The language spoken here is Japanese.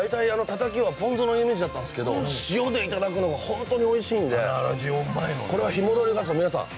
タタキはポン酢のイメージだったんですけど塩で頂くのが本当においしいんで日戻りがつお皆さん